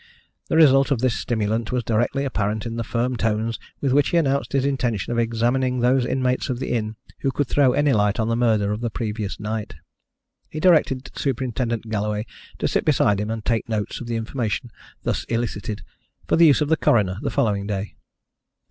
The result of this stimulant was directly apparent in the firm tones with which he announced his intention of examining those inmates of the inn who could throw any light on the murder of the previous night. He directed Superintendent Galloway to sit beside him and take notes of the information thus elicited for the use of the coroner the following day.